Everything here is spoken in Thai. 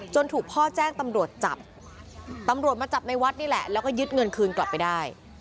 ถูกพ่อแจ้งตำรวจจับตำรวจมาจับในวัดนี่แหละแล้วก็ยึดเงินคืนกลับไปได้